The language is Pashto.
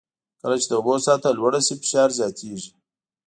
کله چې د اوبو سطحه لوړه شي فشار زیاتېږي.